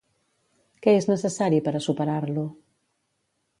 Què és necessari per a superar-lo?